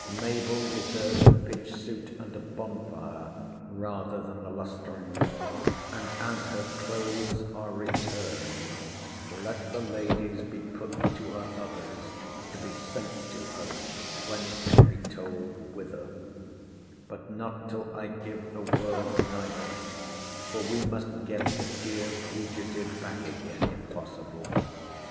Mabell deserves a pitch suit and a bonfire, rather than the lustring; and as her clothes are returned, let the lady's be put to her others, to be sent to her when it can be told whither—but not till I give the word neither; for we must get the dear fugitive back again if possible.